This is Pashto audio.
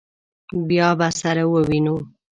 بیا به سره ووینو.